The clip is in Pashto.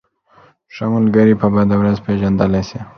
ښه ملگری په بده ورځ پېژندلی شې.